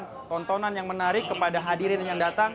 memberikan tontonan yang menarik kepada hadirin yang datang